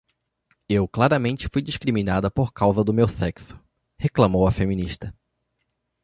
"Eu claramente fui discriminada por causa do meu sexo", reclamou a feminista.